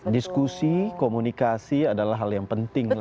diskusi komunikasi adalah hal yang penting